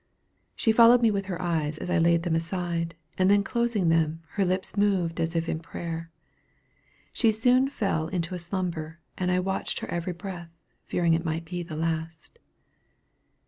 She followed me with her eyes as I laid them aside, and then closing them, her lips moved as if in prayer. She soon after fell into a slumber, and I watched her every breath, fearing it might be the last.